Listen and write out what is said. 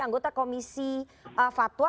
anggota komisi fatwa